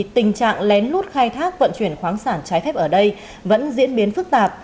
tình trạng lén lút khai thác vận chuyển khoáng sản trái phép ở đây vẫn diễn biến phức tạp